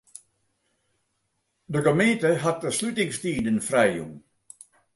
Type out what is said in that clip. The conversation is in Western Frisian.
De gemeente hat de slutingstiden frijjûn.